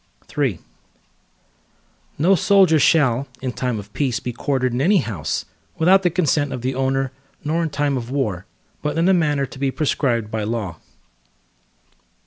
III No soldier shall, in time of peace be quartered in any house, without the consent of the owner, nor in time of war, but in a manner to be prescribed by law.